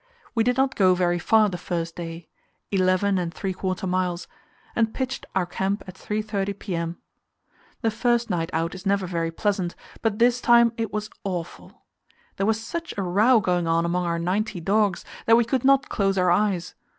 We did not go very far the first day eleven and three quarter miles and pitched our camp at 3.30 p.m. The first night out is never very pleasant, but this time it was awful. There was such a row going on among our ninety dogs that we could not close our eyes.